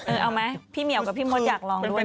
เอาไหมพี่เหมียวกับพี่มดอยากลองด้วย